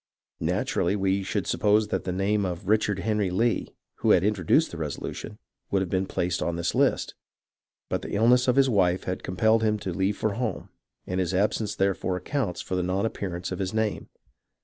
Naturally we would suppose that the name of Richard Henry Lee, who had introduced the resolution, would have been placed on this list, but the illness of his wife had compelled him to leave for home, and his absence therefore accounts for the non appearance of his name.